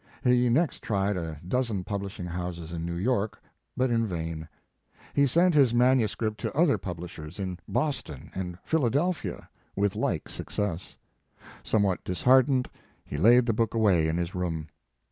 He next tried a dozen publishing houses in New York, but in vain. He sent his manuscript to other His Life and Work. publishers in Boston and Philadelphia with like success. Somewhat disheart ened he laid the book away in his room.